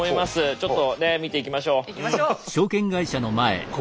ちょっとねっ見ていきましょう。